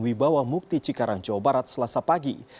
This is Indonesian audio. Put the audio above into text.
wibawa mukti cikarang jawa barat selasa pagi